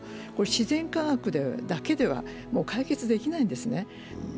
自然科学だけでは、もう解決できないんですね。